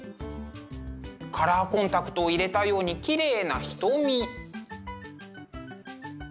カラーコンタクトを入れたようにきれいな瞳。